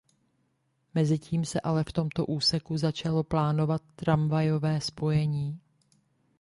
Mezitím se ale v tomto úseku začalo plánovat tramvajové spojení.